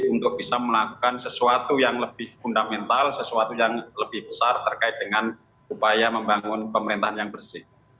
untuk bisa melakukan sesuatu yang lebih fundamental sesuatu yang lebih besar terkait dengan upaya membangun pemerintahan yang bersih